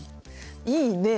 いいね！